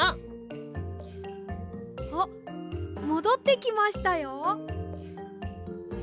あっもどってきましたよ。